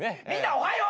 おはよう！